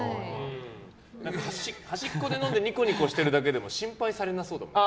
何か、端っこで飲んでニコニコしてるだけでも心配されなそうだもんね。